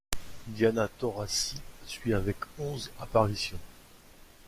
Diana Taurasi suit avec onze apparitions.